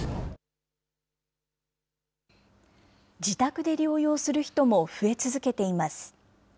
自宅で療養する人も増え続けています。